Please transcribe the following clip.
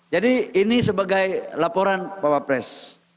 jadi ini sebagai laporan bapak pres